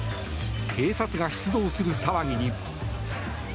警察が出動する騒ぎに。